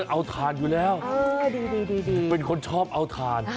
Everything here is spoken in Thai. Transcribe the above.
เอาถ่านอยู่แล้วเป็นคนชอบเอาถ่าน